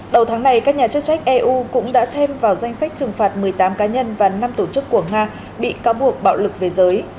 đầu tháng này các nhà chức trách eu cũng đã thêm vào danh sách trừng phạt một mươi tám cá nhân và năm tổ chức của nga bị cáo buộc bạo lực về giới